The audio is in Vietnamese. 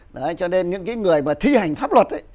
đấy cho nên những cái người mà thi hành pháp luật ấy